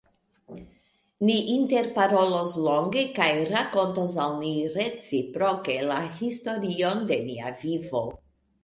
Ni interparolos longe kaj rakontos al ni reciproke la historion de nia vivo.